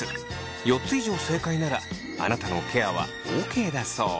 ４つ以上正解ならあなたのケアはオーケーだそう。